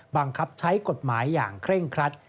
บังคับใช้กฎหมายอย่างเคร่งครัด